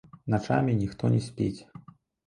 Начамі ніхто не спіць.